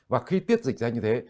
và khi tiết dịch ra như thế